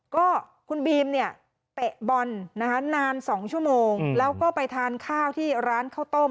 ก็คุณบีมเนี่ยเตะบอลนะคะนาน๒ชั่วโมงแล้วก็ไปทานข้าวที่ร้านข้าวต้ม